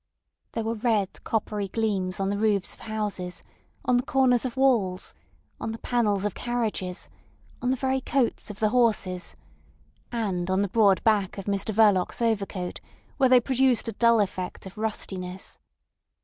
There were red, coppery gleams on the roofs of houses, on the corners of walls, on the panels of carriages, on the very coats of the horses, and on the broad back of Mr Verloc's overcoat, where they produced a dull effect of rustiness.